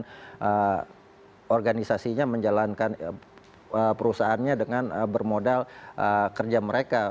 dan organisasinya menjalankan perusahaannya dengan bermodal kerja mereka